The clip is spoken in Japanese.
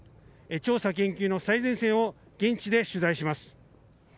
調査・研究の最前線を現地で取材します。